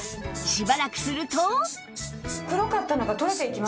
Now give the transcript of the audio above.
しばらくすると